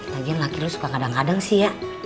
lagian laki lu suka kadang kadang sih ya